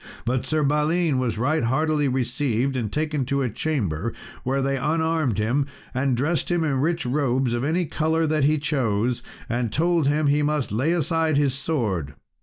But Sir Balin was right heartily received, and taken to a chamber, where they unarmed him, and dressed him in rich robes, of any colour that he chose, and told him he must lay aside his sword.